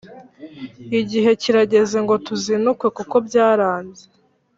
Igihe kirageze ngo tuzinukwe kuko byaranze